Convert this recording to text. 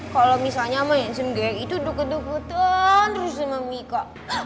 kalo misalnya sama yenzim gary itu duket duketan terus sama mika